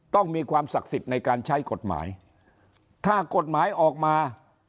ต้องมีความศักดิ์สิทธิ์ในการใช้กฎหมายถ้ากฎหมายออกมา